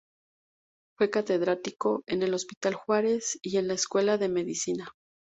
Fue catedrático en el Hospital Juárez y en la Escuela de Medicina.